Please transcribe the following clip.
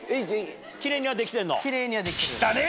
キレイにはできてんの？